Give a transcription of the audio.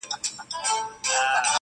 ورته جوړه په ګوښه کي هدیره سوه-